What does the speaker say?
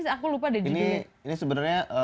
apa sih ini aku lupa deh judulnya